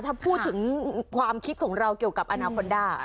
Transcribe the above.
ถ้าพูดถึงความคิดของเราเกี่ยวกับอนาคอนด้า